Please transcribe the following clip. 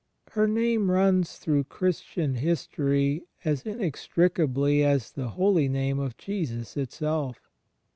Her name runs through Christian his tory as inextricably as the Holy Name of Jesus itself.